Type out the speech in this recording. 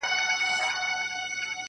ويل واورئ دې ميدان لره راغلو-